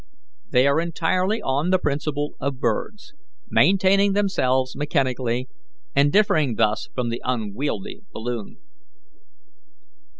They are entirely on the principle of birds, maintaining themselves mechanically, and differing thus from the unwieldy balloon.